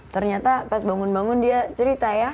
ternyata pas bangun bangun dia cerita ya